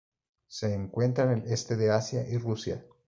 Se encuentra en el Este de Asia y Rusia.